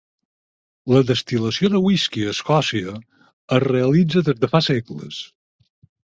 La destil·lació de whisky a Escòcia es realitza des de fa segles.